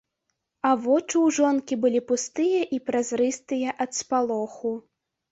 А вочы ў жонкі былі пустыя і празрыстыя ад спалоху.